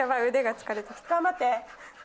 頑張って！